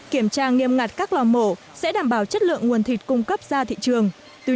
kiểm tra nghiêm ngặt các lò mổ sẽ đảm bảo chất lượng nguồn thịt cung cấp ra thị trường